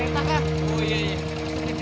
bu ada cerita kak